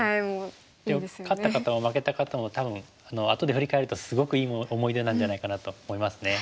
勝った方も負けた方も多分後で振り返るとすごくいい思い出なんじゃないかなと思いますね。